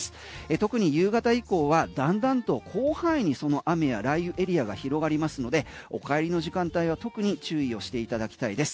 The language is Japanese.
特に夕方以降はだんだんと広範囲にその雨や雷雨エリアが広がりますのでお帰りの時間帯は特に注意をしていただきたいです。